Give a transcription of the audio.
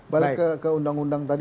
balik ke undang undang tadi